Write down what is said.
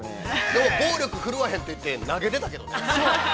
でも、暴力振るわへんって言って、投げてたけどね。